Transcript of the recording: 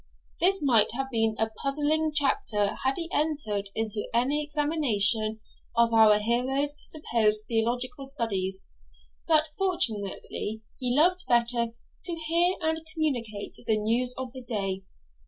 This might have been a puzzling chapter had he entered into any examination of our hero's supposed theological studies; but fortunately he loved better to hear and communicate the news of the day.